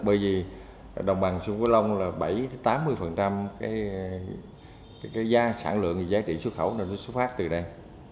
bởi vì đồng bằng xuân quy lông là bảy mươi tám mươi cái giá sản lượng và giá trị xuất khẩu nó xuất phát từ đây